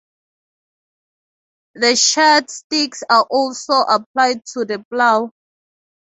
The charred sticks are also applied to the plough.